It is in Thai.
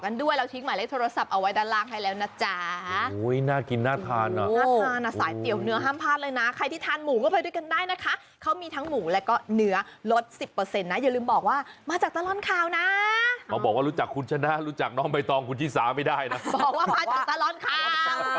น่ากินน่าทานอ่ะน่าทานอ่ะสายเตี๋ยวเนื้อห้ามพลาดเลยนะใครที่ทานหมูก็ไปด้วยกันได้นะคะเขามีทั้งหมูแล้วก็เนื้อลดสิบเปอร์เซ็นต์นะอย่าลืมบอกว่ามาจากตลอดข่าวนะมาบอกว่ารู้จักคุณชนะรู้จักน้องใบตองคุณที่สามไม่ได้นะบอกว่ามาจากตลอดข่าว